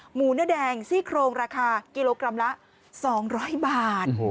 หมูเนื้อแดงซี่โครงราคากิโลกรัมละ๒๐๐บาท